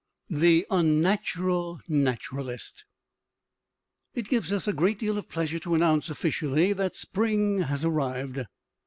THE UNNATURAL NATURALIST It gives us a great deal of pleasure to announce, officially, that spring has arrived.